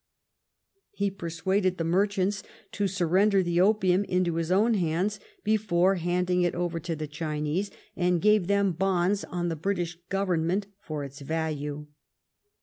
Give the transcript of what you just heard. ^ He per suaded the merchants to surrender the opium into his own hands before handing it over to the Chinese, and gave them bonds on the British Government for its value.